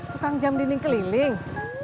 tukang jam dinding keliling